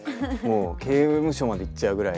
刑務所まで行っちゃうぐらい。